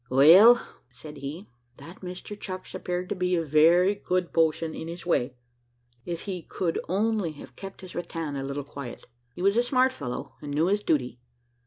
"Well," said he, "that Mr Chucks appeared to be a very good boatswain in his way, if he could only have kept his rattan a little quiet. He was a smart fellow, and knew his duty.